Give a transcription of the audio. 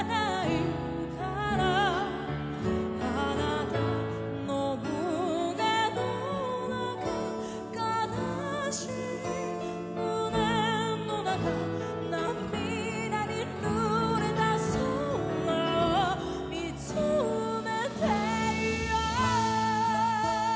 「あなたの胸の中悲しい胸の中」「涙にぬれた空を見つめていよう」